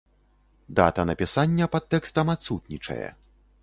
Дата напісання пад тэкстам адсутнічае.